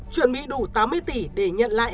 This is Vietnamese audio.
chuẩn bị đủ tám mươi tỷ để nhận lại